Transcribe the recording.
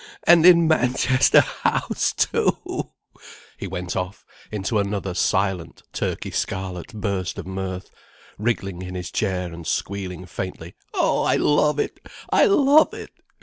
And in Manchester House, too—!" He went off into another silent, turkey scarlet burst of mirth, wriggling in his chair and squealing faintly: "Oh, I love it, I love it!